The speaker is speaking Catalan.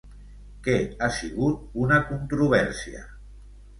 Què ha sigut una controvèrsia?